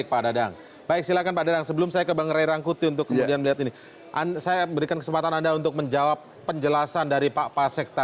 pak dadang selamat malam pak